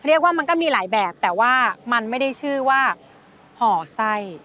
เรียกว่ามันก็มีหลายแบบแต่ว่ามันไม่ได้ชื่อว่าห่อไส้